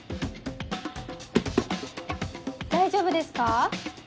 大丈夫ですか？